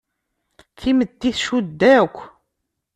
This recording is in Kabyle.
Timetti tcudd akk.